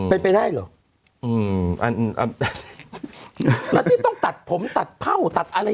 เป็นไปได้เหรออืมอันแล้วที่ต้องตัดผมตัดเผ่าตัดอะไร